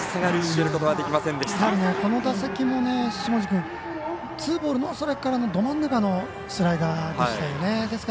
やはりこの打席も下地君ツーボール、ノーストライクからど真ん中のスライダーでしたよね。